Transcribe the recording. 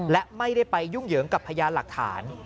และไม่ได้ไปยุ่งเหยิงกับพยานหลักฐาน